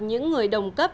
những người đồng cấp